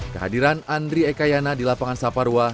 kehadiran andri ekayana di lapangan saparwa